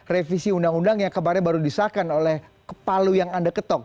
revisi undang undang yang kemarin baru disahkan oleh kepalu yang anda ketok